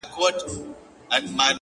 o خوارسومه انجام مي د زړه ور مـات كړ،